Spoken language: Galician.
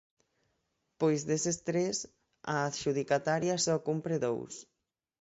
Pois deses tres, a adxudicataria só cumpre dous.